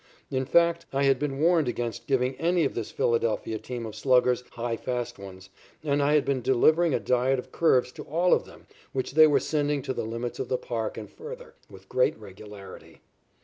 In fact, I had been warned against giving any of this Philadelphia team of sluggers high fast ones, and I had been delivering a diet of curves to all of them which they were sending to the limits of the park and further, with great regularity.